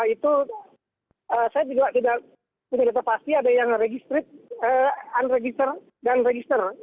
itu saya juga tidak menurutnya pasti ada yang registris